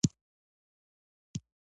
سړي ميرويس خان ته لاس ورکړ.